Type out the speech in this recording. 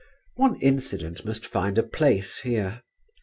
One incident must find a place here.